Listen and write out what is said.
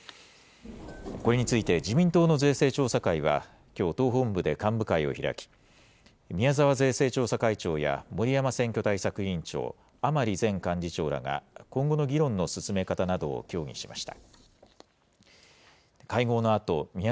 これについて、自民党の税制調査会はきょう、党本部で幹部会を開き、宮沢税制調査会長や森山選挙対策委員長、甘利前幹事長らが今後の議論の進め方などを協議しました。